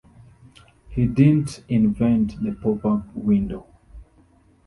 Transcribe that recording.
He didn't invent the pop-up "window".